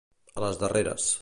A les darreres.